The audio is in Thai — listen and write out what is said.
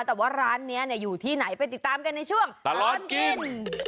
แต่ว่าร้านนี้อยู่ที่ไหนไปติดตามกันในช่วงตลอดกิน